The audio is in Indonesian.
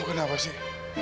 kamu kenapa sih